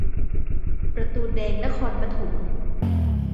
ประตูแดงนครปฐม